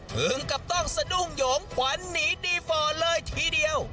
ถึงกับต้องสะดุ้งหยงขวัญหนีดีฟอร์เลยทีเดียว